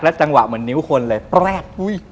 และจังหวะเหมือนนิ้วคนเลยแปร๊ะ